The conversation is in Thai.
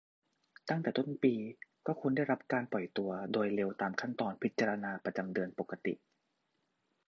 ตั้งแต่ต้นปี ก็ควรได้รับการปล่อยตัวโดยเร็วตามขั้นตอนพิจารณาประจำเดือนปกติ